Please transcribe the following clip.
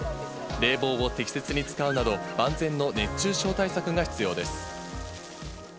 冷房を適切に使うなど、万全の熱中症対策が必要です。